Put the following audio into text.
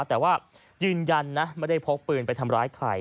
แต่ว่ายืนยันนะไม่ได้พกปืนไปทำร้ายใคร